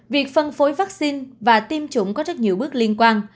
việc phân phối vắc xin và tiêm chủng có rất nhiều bước liên quan